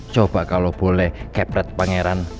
coba kalau boleh kepret pangeran